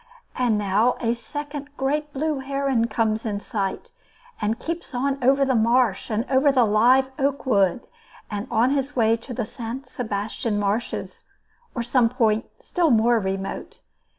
And now a second great blue heron comes in sight, and keeps on over the marsh and over the live oak wood, on his way to the San Sebastian marshes, or some point still more remote.